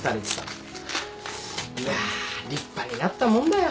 いや立派になったもんだよ。